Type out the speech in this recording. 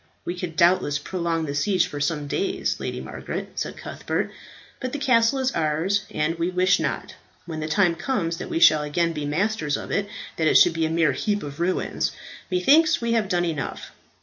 "We could doubtless prolong the siege for some days, Lady Margaret," said Cuthbert, "but the castle is ours; and we wish not, when the time comes that we shall again be masters of it, that it should be a mere heap of ruins. Methinks we have done enough.